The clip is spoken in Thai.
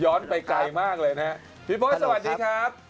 ย้อนไปไกลมากเลยพี่โภตสวัสดีครับ